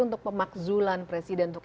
untuk pemakzulan presiden untuk